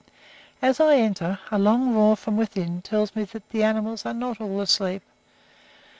As I enter, a long roar from within tells me that the animals are not all asleep.